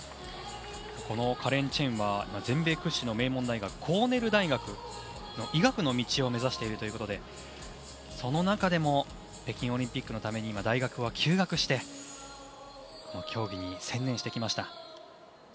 このカレン・チェンは全米屈指の名門大学コーネル大学の医学の道を目指しているということでその中でも北京オリンピックのために大学を休学して競技に専念してきました。